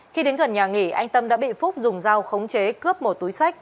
khi đến gần nhà nghỉ anh tâm đã bị phúc dùng dao khống chế cướp một túi sách